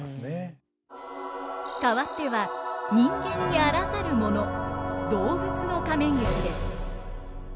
かわっては人間にあらざるもの動物の仮面劇です。